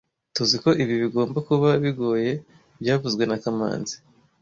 Tuziko ibi bigomba kuba bigoye byavuzwe na kamanzi